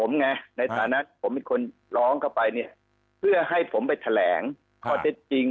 ผมไงในฐานะผมเป็นคนร้องเข้าไปเนี่ยเพื่อให้ผมไปแถลงข้อเท็จจริง